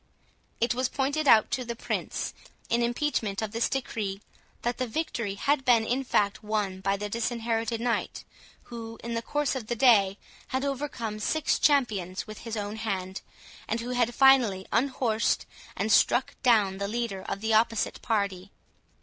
It was pointed out to the Prince, in impeachment of this decree, that the victory had been in fact won by the Disinherited Knight, who, in the course of the day, had overcome six champions with his own hand, and who had finally unhorsed and struck down the leader of the opposite party.